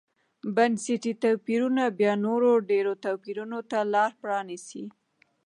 بنسټي توپیرونه بیا نورو ډېرو توپیرونو ته لار پرانېزي.